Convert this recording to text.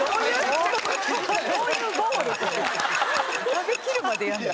食べきるまでやるんだ。